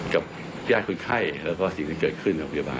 กับญาติคนไข้แล้วก็สิ่งที่เกิดขึ้นกับพยาบาล